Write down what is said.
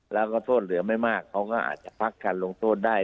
แล้วก็โทษเหลือไม่มากเขาก็อาจจะพักการลงโทษได้